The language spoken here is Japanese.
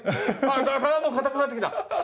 あぁもう硬くなってきた。